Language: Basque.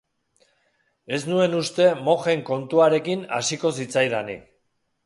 Ez nuen uste mojen kontuarekin hasiko zitzaidanik.